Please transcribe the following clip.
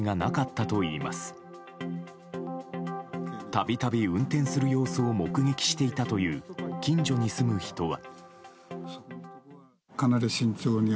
たびたび、運転する様子を目撃していたという近所に住む人は。